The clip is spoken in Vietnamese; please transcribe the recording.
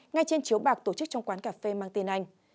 ngay trên chiếu bạc tổ chức trong quán cà phê mang tiên anh